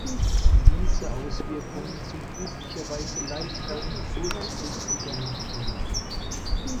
Diese Auswirkungen sind üblicherweise leichter und kurzfristiger Natur.